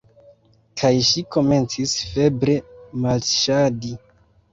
Kaj ŝi komencis febre marŝadi.